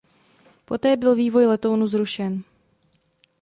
Poté byl vývoj letounu zrušen.